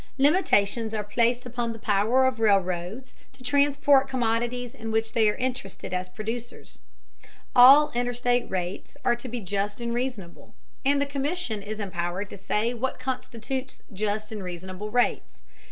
Limitations are placed upon the power of railroads to transport commodities in which they are interested as producers. All interstate rates are to be just and reasonable, and the Commission is empowered to say what constitutes just and reasonable rates.